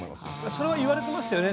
それは言われていましたよね。